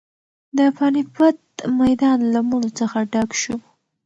د پاني پت میدان له مړو څخه ډک شو.